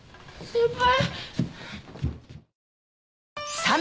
先輩。